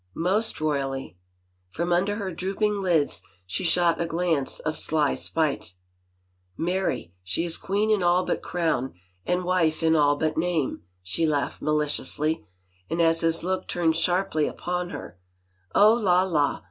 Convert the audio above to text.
" Most royally." From under her drooping lids she shot a glance of sly spite. " Marry, she is queen in all but crown and wife in all but name," she laughed maliciously and as his look turned sharply upon her, " Oh, la, la !